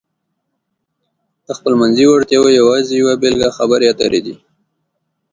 د خپلمنځي وړتیاو یوازې یوه بېلګه خبرې اترې دي.